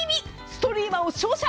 ストリーマを照射！